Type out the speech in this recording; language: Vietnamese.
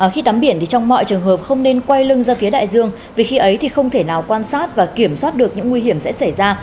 khi tắm biển thì trong mọi trường hợp không nên quay lưng ra phía đại dương vì khi ấy thì không thể nào quan sát và kiểm soát được những nguy hiểm sẽ xảy ra